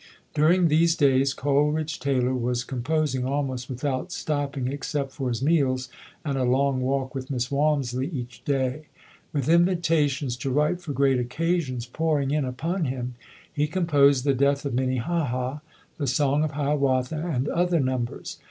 During these days, Coleridge Taylor was com posing almost without stopping except for his meals and a long walk with Miss Walmisley each day. With invitations to write for great occasions pouring in upon him, he composed "The Death of Minnehaha", "The Song of Hiawatha" and other numbers.